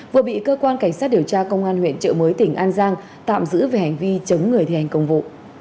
vừa bị cơ quan cảnh sát điều tra công an huyện trợ mới tỉnh an giang tạm giữ về hành vi chống người thi hành công vụ